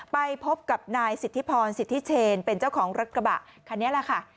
ไปพบกับนายสิทธิพรสิทธิเชนเป็นเจ้าของรถกระบะคันนี้แหละค่ะ